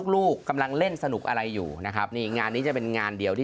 ลูกกำลังเล่นสนุกอะไรอยู่นะครับนี่งานนี้จะเป็นงานเดียวที่